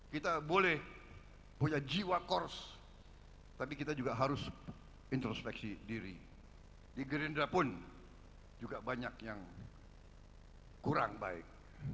kita boleh punya jiwa kors tapi kita juga harus introspeksi diri di gerindra pun juga banyak yang kurang baik